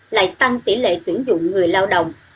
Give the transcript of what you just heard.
lại tăng tỷ lệ tuyển dụng người lao động